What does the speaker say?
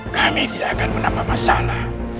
kami tidak akan menambah masalah